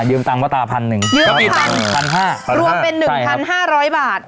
ยืมตังค์พ่อตาพันหนึ่งยืมพันพันห้ารวมเป็นหนึ่งคันห้าร้อยบาท